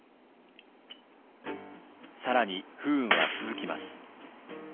更に不運は続きます。